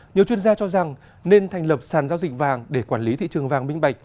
nhiều chuyên gia cho rằng nên thành lập sàn giao dịch vàng để quản lý thị trường vàng minh bạch